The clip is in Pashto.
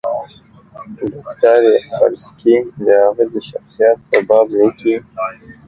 ډاکټر یاورسکي د هغه د شخصیت په باب لیکي.